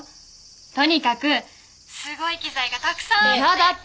とにかくすごい機材がたくさんあって。